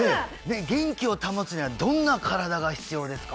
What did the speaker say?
元気を保つにはどんな身体が必要ですか？